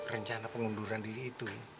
rencana pengunduran diri itu